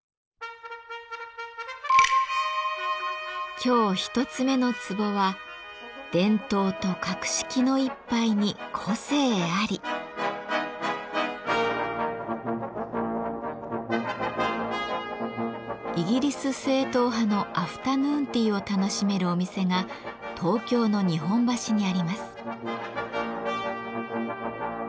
今日一つ目のツボはイギリス正統派のアフタヌーンティーを楽しめるお店が東京の日本橋にあります。